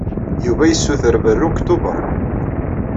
Yuba yessuter berru deg Tubeṛ.